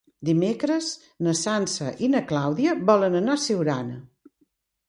Dimecres na Sança i na Clàudia volen anar a Siurana.